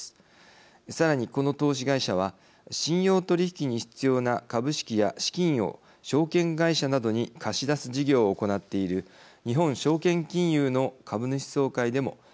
さらにこの投資会社は信用取引に必要な株式や資金を証券会社などに貸し出す事業を行っている日本証券金融の株主総会でも株主提案を行いました。